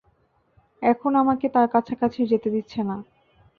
এখন আমাকে তার কাছাকাছিও যেতে দিচ্ছে না।